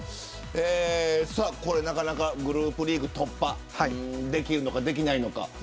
なかなかグループリーグ突破できるのか、できないのか。